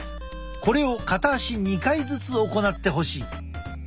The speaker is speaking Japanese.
これを片足２回ずつ行ってほしい。